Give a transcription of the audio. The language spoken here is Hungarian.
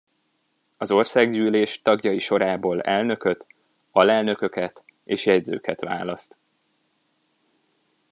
Az Országgyűlés tagjai sorából elnököt, alelnököket és jegyzőket választ.